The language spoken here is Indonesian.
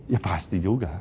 ya pasti juga